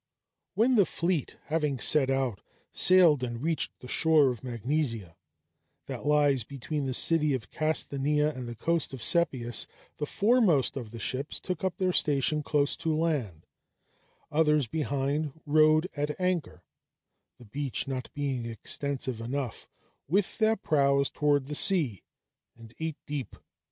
When the fleet, having set out, sailed and reached the shore of Magnesia that lies between the city of Casthanæa and the coast of Sepias, the foremost of the ships took up their station close to land, others behind rode at anchor the beach not being extensive enough with their prows toward the sea, and eight deep.